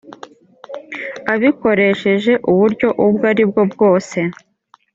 abikoresheje uburyo ubwo ari bwo bwose